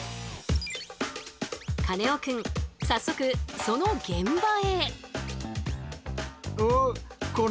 カネオくん早速その現場へ。